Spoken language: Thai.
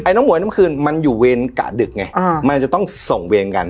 น้องหวยน้ำคืนมันอยู่เวรกะดึกไงมันจะต้องส่งเวรกัน